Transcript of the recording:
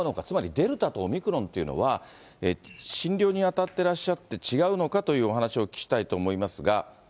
つまり、デルタとオミクロンというのは、診療に当たってらっしゃって、違うのかというお話をお聞きしたいと思いますが。